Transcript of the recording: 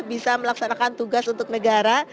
bisa melaksanakan tugas untuk negara